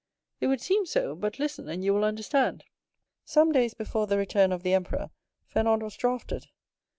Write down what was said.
"It would seem so; but listen, and you will understand. Some days before the return of the emperor, Fernand was drafted.